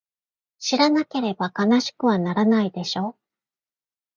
知らなければ悲しくはならないでしょ？